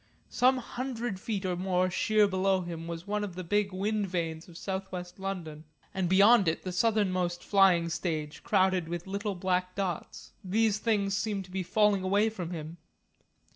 Some hundred feet or more sheer below him was one of the big wind vanes of south west London, and beyond it the southernmost flying stage crowded with little black dots. These things seemed to be falling away from him.